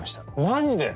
マジで？